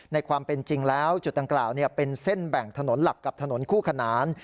ในความเป็นจริงแล้วจุดดังกล่าวเป็นเส้นแบ่งถนนหลักกับถนนคู่ขนาน